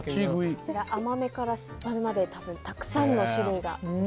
甘めから酸っぱめまでたくさんの種類が。